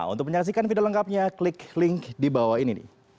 untuk menyaksikan video lengkapnya klik link di bawah ini